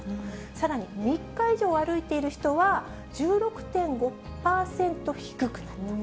さらに、３日以上歩いている人は、１６．５％低くなった。